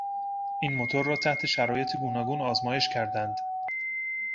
این موتور را تحت شرایط گوناگون آزمایش کردند.